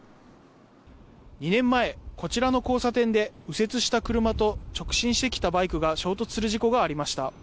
２年前、こちらの交差点で右折した車と直進してきたバイクが衝突する事故がありました。